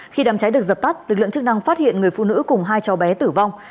khi đàm cháy được dập tắt lực lượng chức năng phát hiện người phụ nữ cùng hai cháu bé tử vong